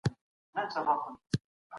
نولس نولسم عدد دئ.